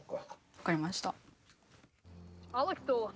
わかりました。